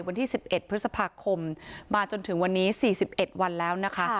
วันที่๑๑พฤษภาคมมาจนถึงวันนี้๔๑วันแล้วนะคะ